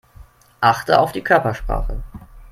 Achte auf die Körpersprache.